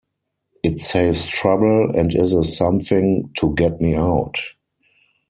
It saves trouble, and is a something to get me out.